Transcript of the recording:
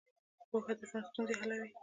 پوهه د ژوند ستونزې حلوي.